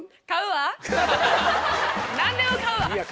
何でも買うわ。